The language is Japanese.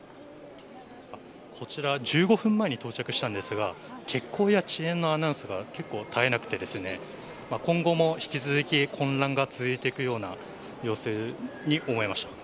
こちら１５分前に到着したんですが欠航や遅延のアナウンスが絶えなくて今後も引き続き混乱が続いていくような様子に思えました。